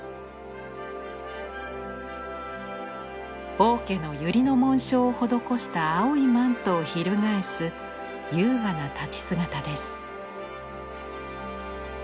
王家のユリの紋章を施した青いマントを翻す優雅な立ち姿です。